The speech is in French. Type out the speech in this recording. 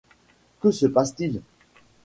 Que se passe-t-il ?